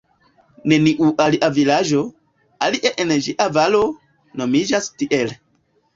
Neniu alia vilaĝo, alie en ĝia valo, nomiĝas tiel.